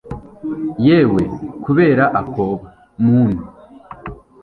yewe(kubera akoba!) muntu!